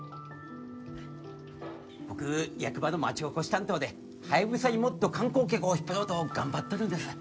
僕役場の町おこし担当でハヤブサにもっと観光客を引っ張ろうと頑張っとるんです。